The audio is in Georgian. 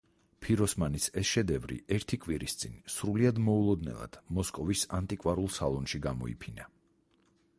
ფიროსმანის ეს შედევრი ერთი კვირის წინ, სრულიად მოულოდნელად, მოსკოვის ანტიკვარულ სალონში გამოიფინა.